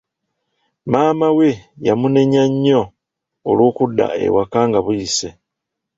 Maama we yamunenya nnyo olw'okudda ewaka nga buyise.